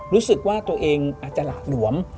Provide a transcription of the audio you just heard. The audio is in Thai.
รู้สึกว่าตัวเองอาจจะหละหลวม